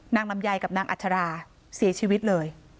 ลำไยกับนางอัชราเสียชีวิตเลย